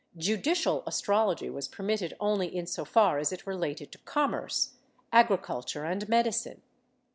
Judicial astrology was permitted only in so far as it related to commerce, agriculture and medicine.